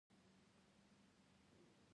نوی تېر د زاړه وخت بدیل وي